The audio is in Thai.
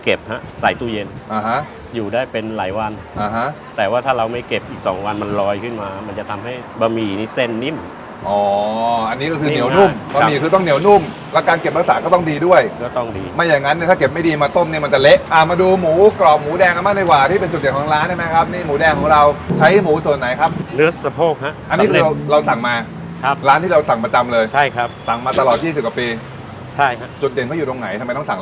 เย็นอ่าฮะอยู่ได้เป็นหลายวันอ่าฮะแต่ว่าถ้าเราไม่เก็บอีกสองวันมันลอยขึ้นมามันจะทำให้บะหมี่นี่เส้นนิ่มอ๋ออันนี้ก็คือเหนียวนุ่มบะหมี่คือต้องเหนียวนุ่มแล้วการเก็บรักษาก็ต้องดีด้วยก็ต้องดีไม่อย่างงั้นเนี่ยถ้าเก็บไม่ดีมาต้มเนี่ยมันจะเละอ่ามาดูหมูกรอบหมูแดงอ่ะมาดีกว่าที่